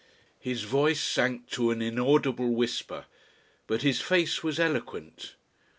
His voice sank to an inaudible whisper. But his face was eloquent.